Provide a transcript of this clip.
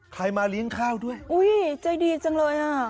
มาเลี้ยงข้าวด้วยอุ้ยใจดีจังเลยอ่ะ